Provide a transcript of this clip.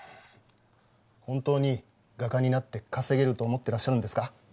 本当に画家になって稼げると思ってらっしゃるんですか？